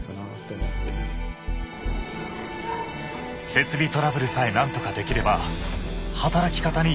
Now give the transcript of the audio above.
設備トラブルさえ何とかできれば働き方に余裕が生まれる。